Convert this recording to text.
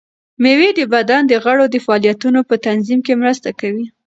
مېوې د بدن د غړو د فعالیتونو په تنظیم کې مرسته کوي.